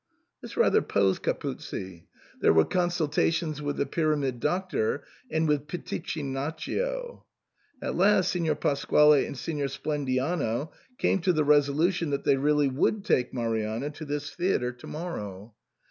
This rather posed Capuzzi ; there were consultations with the Pyramid Doctor and with Pitichinaccio ; at last Signor Pasquale and Signor Splendiano came to the resolution that they really would take Marianna to this theatre to morrow.